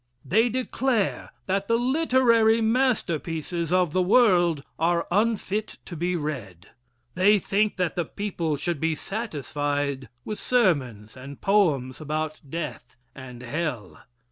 They declare that the literary master pieces of the world are unfit to be read. They think that the people should be satisfied with sermons and poems about death and hell.